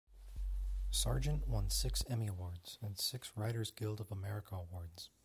Sargent won six Emmy Awards and six Writers Guild of America Awards.